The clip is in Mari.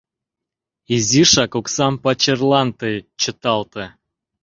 Изишак оксам пачерлан тый чыталте!